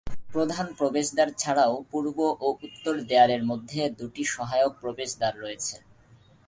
প্রধান প্রবেশদ্বার ছাড়াও পূর্ব ও উত্তর দেয়ালের মধ্যে দুটি সহায়ক প্রবেশদ্বার রয়েছে।